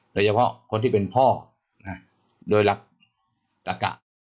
โดยเฉพาะคนที่เป็นพ่อโดยรักตะกะ